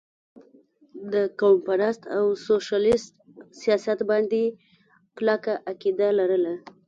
د قوم پرست او سوشلسټ سياست باندې کلکه عقيده لرله